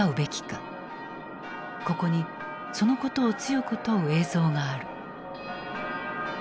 ここにそのことを強く問う映像がある。